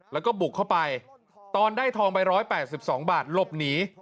แล้วก็บุกเข้าไปตอนได้ทองไป๑๘๒บาทหลบหนี